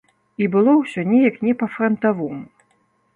І было ўсё неяк не па-франтавому.